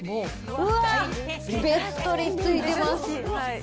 うわー、べっとりついてます。